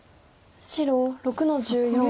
白６の十四ノビ。